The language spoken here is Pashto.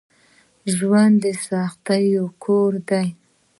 ژوند دسختیو کور دی